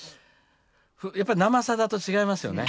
やっぱ「生さだ」と違いますよね。